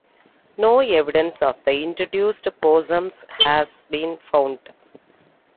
No evidence of the introduced possums has been found.